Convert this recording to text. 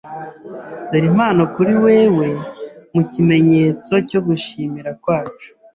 Dore impano kuri wewe mu kimenyetso cyo gushimira kwacu.